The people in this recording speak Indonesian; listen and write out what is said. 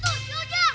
ujang ujang ujang